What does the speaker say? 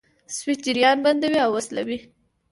سویچ جریان بندوي او وصلوي.